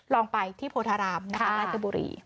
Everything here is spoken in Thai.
ลองไปที่โพธารามนะคะราชบุรี